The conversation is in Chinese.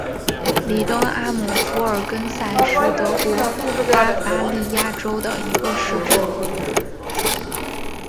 里登阿姆福尔根塞是德国巴伐利亚州的一个市镇。